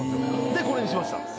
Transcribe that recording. でこれにしました。